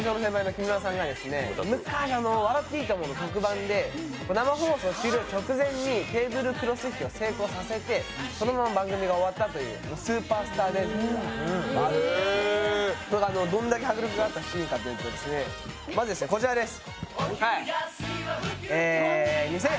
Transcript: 「笑っていいとも！」の特番で生放送が終わる直前でテーブルクロス引きを成功させてそのまま番組が終わったというスーパースター伝説がありましてそれがどれだけ迫力があったシーンかというと、こちらです。